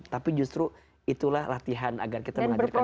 tapi justru itulah latihan agar kita menghadirkan